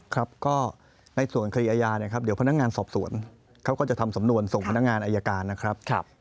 ครับก็ในส่วนคดีอาญานะครับเดี๋ยวพนักงานสอบสวนเขาก็จะทำสำนวนส่งพนักงานอายการนะครับ